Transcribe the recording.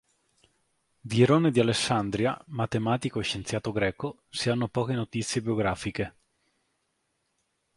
Di Erone di Alessandria, matematico e scienziato greco, si hanno poche notizie biografiche.